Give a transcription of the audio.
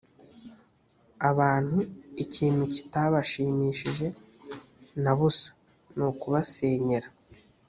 abantu ikintu kitabashimishije na busa ni ukubasenyera